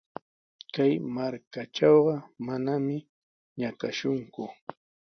Kay markaatrawqa manami ñakashunku.